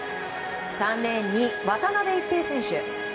３レーンに、渡辺一平選手。